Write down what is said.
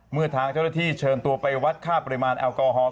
เมื่อทางเจ้าหน้าที่เชิญตัวไปวัดค่าปริมาณแอลกอฮอล